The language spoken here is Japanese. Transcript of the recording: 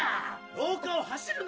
廊下を走るな！